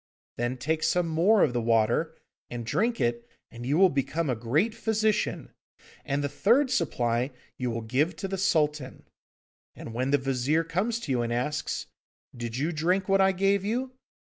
Then take some more of the water, and drink it, and you will become a great physician, and the third supply you will give to the Sultan. And when the Vizir comes to you and asks, "Did you drink what I gave you?"